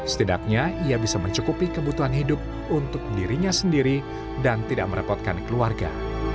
setidaknya ia bisa mencukupi kebutuhan hidup untuk dirinya sendiri dan tidak merepotkan keluarga